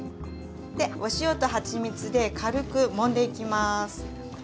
でお塩とはちみつで軽くもんでいきます。